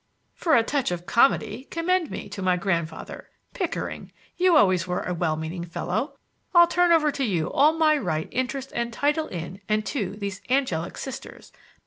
"For a touch of comedy commend me to my grandfather! Pickering, you always were a well meaning fellow,—I'll turn over to you all my right, interest and title in and to these angelic Sisters.